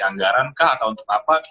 anggaran atau untuk apa